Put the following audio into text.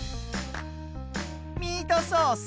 ミートソース。